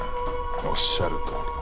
おっしゃるとおり。